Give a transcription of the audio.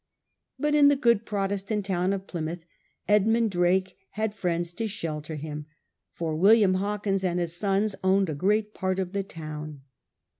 But in the good Protestant town of Plymouth Edmund Drake had friends to shelter him, for William Hawkins and his sons owned a great part of the town.